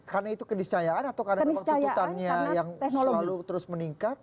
karena itu kediscayaan atau karena keuntungannya yang selalu terus meningkat